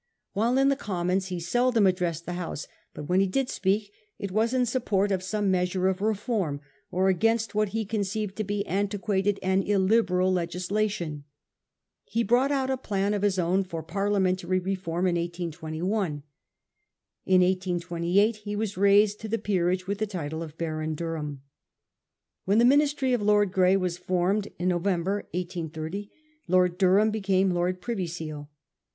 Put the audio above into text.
While in the Com mons he seldom addressed the House, but when he did speak, it was in support of some measure of re form, or against what he conceived to be antiquated and illiberal legislation. He brought out a plan of his own for Parliamentary reform in 1821. In 1828 he was raised to the peerage with the title of Baron Durham. When the Ministry of Lord Grey was formed, in November 1830, Lord Durham became Lord Privy Seal.